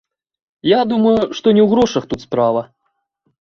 Я думаю, што не ў грошах тут справа.